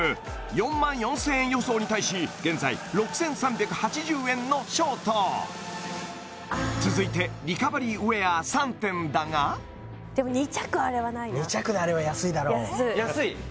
４万４０００円予想に対し現在６３８０円のショート続いてリカバリーウェア３点だがでも２着あれはないな安い安い？